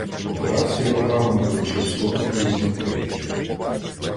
Операцію отаман доручив сотникові Зінкевичу.